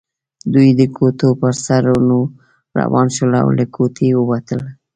دوی د ګوتو پر سرونو روان شول او له کوټې ووتل.